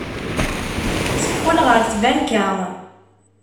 Teqqel ɣer tbanka.